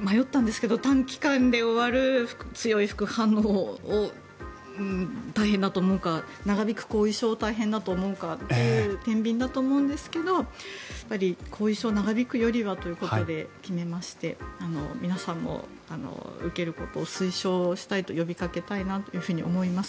迷ったんですが短期間で終わる強い副反応を大変だと思うか長引く後遺症を大変だと思うかというてんびんだと思うんですけどやっぱり後遺症が長引くよりはということで決めまして皆さんも受けることを推奨したいと呼びかけたいなと思います。